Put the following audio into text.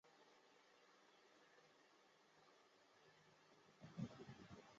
协助省水的一项重要措施是做到全面统计。